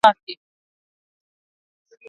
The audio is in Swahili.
Bana muuwiya mtoto kwake